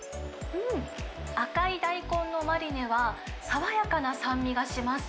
うん、赤い大根のマリネは、爽やかな酸味がします。